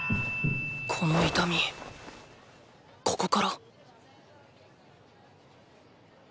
この痛みここから！